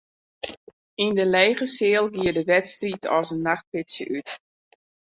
Yn de lege seal gie de wedstriid as in nachtpitsje út.